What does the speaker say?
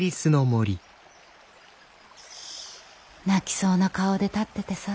泣きそうな顔で立っててさ